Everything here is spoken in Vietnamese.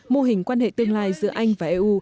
mô hình quan hệ tương lai giữa anh và eu